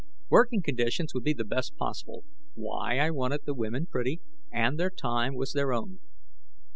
Working conditions would be the best possible why I'd wanted the women pretty and their time was their own.